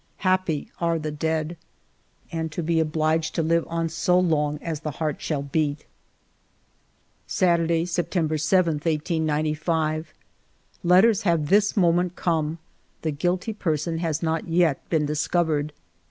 Happy are the dead ! And to be obliged to live on so long as the heart shall beat ! Saturday, September 7, 1895. Letters have this moment come. The guilty person has not yet been discovered.